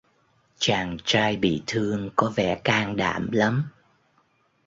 Chàng trai bị thương có vẻ can đảm lắm